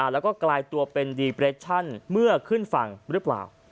แล้วก็กลายตัวเป็นดีเปรชั่นเมื่อขึ้นฝั่งหรือเปล่า